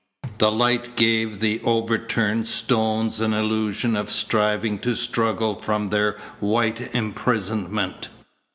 The light gave the overturned stones an illusion of striving to struggle from their white imprisonment.